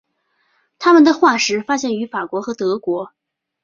它们的化石发现于法国和德国。